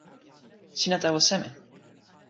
sina tawa seme?